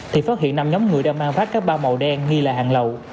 thì phát hiện năm nhóm người đang mang vác các bao màu đen nghi là hàng lậu